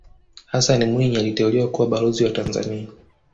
hassan mwinyi aliteuliwa kuwa balozi wa tanzania